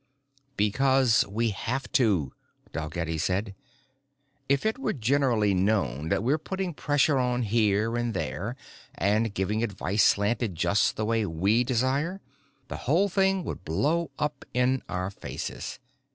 "Because we have to," Dalgetty said. "If it were generally known that we're putting pressure on here and there and giving advice slanted just the way we desire, the whole thing would blow up in our faces.